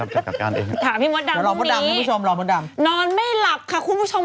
ถามพี่มดดำตรงนี้นอนไม่หลับค่ะคุณผู้ชม